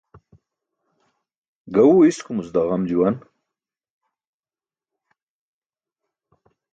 Gaẏuwe iskumuc daġam juwan.